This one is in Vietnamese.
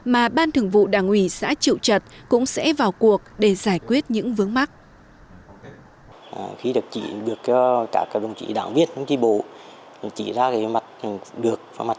mà ban thường vụ đảng ủy xã triệu trật cũng sẽ vào cuộc để giải quyết những vướng mắt